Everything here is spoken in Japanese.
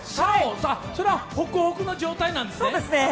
それはホクホクの状態なんですね？